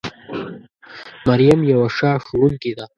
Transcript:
مريم يوه ښه ښوونکې ده